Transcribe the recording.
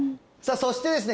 そしてですね